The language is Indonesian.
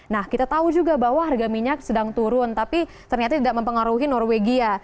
nah kita tahu juga bahwa harga minyak sedang turun tapi ternyata tidak mempengaruhi norwegia